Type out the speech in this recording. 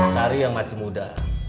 cari yang masih muda